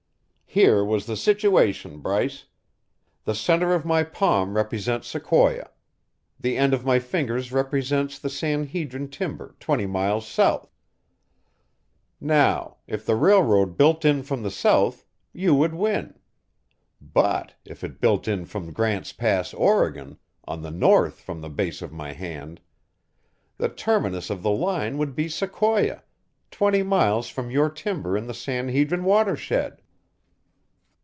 "Here was the situation, Bryce: The centre of my palm represents Sequoia; the end of my fingers represents the San Hedrin timber twenty miles south. Now, if the railroad built in from the south, you would win. But if it built in from Grant's Pass, Oregon, on the north from the base of my hand, the terminus of the line would be Sequoia, twenty miles from your timber in the San Hedrin watershed!"